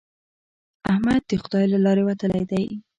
احمد د خدای له لارې وتلی دی.